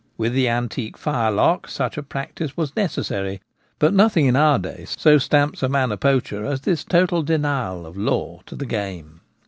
With the antique fire lock such a practice was necessary ; but nothing in our day so stamps a man a poacher as this total denial of i law' to the game.